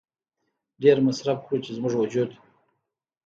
ډېر مصرف کړو چې زموږ وجود